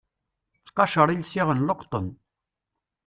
Ttqacer i lsiɣ n leqṭen.